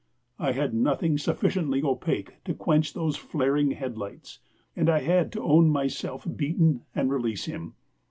I had nothing sufficiently opaque to quench those flaring headlights, and I had to own myself beaten and release him.